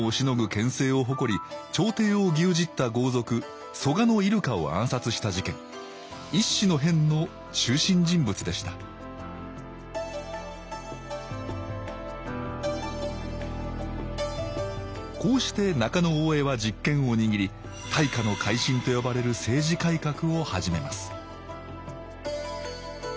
権勢を誇り朝廷を牛耳った豪族蘇我入鹿を暗殺した事件乙巳の変の中心人物でしたこうして中大兄は実権を握り大化の改新と呼ばれる政治改革を始めます